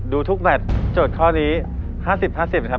ดูทุกแมทโจทย์ข้อนี้๕๐๕๐ครับ